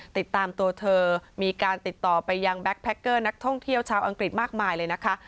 ติดตามตัวเธอมีการติดต่อไปยังแก๊กแพคเกอร์นักท่องเที่ยวชาวอังกฤษมากมายเลยนะคะ